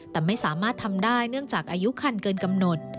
แต่ไม่สามารถทำได้เนื่องจากอายุคันเกินกำหนด